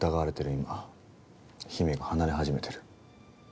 今姫が離れ始めてる。